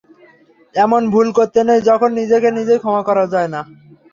এমন ভুল করতে নেই, যখন নিজেকে নিজেই ক্ষমা করা যায় না।